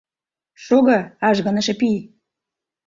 Шого, ажгыныше пий!